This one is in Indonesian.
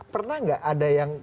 pernah nggak ada yang